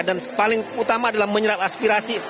dan paling utama adalah menyerap aspirasi